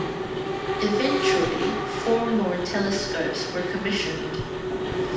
Eventually four more telescopes were commissioned.